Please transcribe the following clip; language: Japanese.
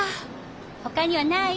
ほかにはない？